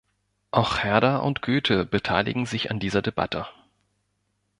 Auch Herder und Goethe beteiligen sich an dieser Debatte.